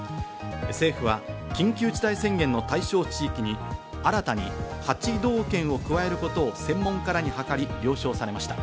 政府は緊急事態宣言の対象地域に新たに８道県を加えることを専門家らに諮り、了承されました。